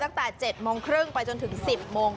ตั้งแต่๗โมงครึ่งไปจนถึง๑๐โมง